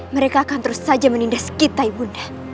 mereka akan terus saja menindas kita ibunda